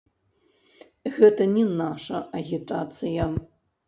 Гэта не наша агітацыя!